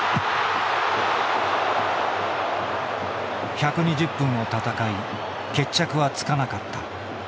１２０分を戦い決着はつかなかった。